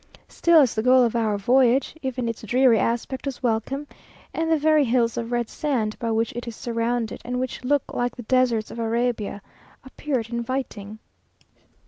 Still, as the goal of our voyage, even its dreary aspect was welcome, and the very hills of red sand by which it is surrounded, and which look like the deserts of Arabia, appeared inviting.